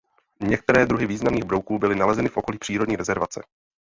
Některé druhy významných brouků byly nalezeny v okolí přírodní rezervace.